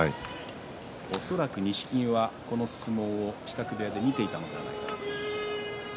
恐らく、錦木はこの相撲を支度部屋で見ていたのではないかと思います。